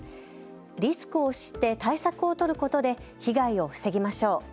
リスクを知って対策を取ることで被害を防ぎましょう。